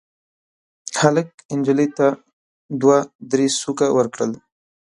هلک نجلۍ ته دوه درې سوکه ورکړل.